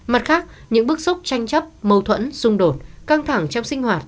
mặt khác những bức xúc tranh chấp mâu thuẫn xung đột căng thẳng trong sinh hoạt